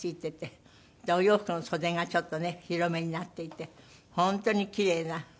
でお洋服の袖がちょっとね広めになっていて本当にキレイな。